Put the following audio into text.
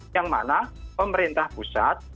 yang mana pemerintah pusat